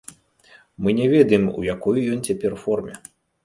Мы не ведаем, у якой ён цяпер форме.